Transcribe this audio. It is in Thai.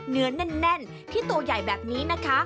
เนื้อแน่นที่ตัวใหญ่แบบนี้นะคะ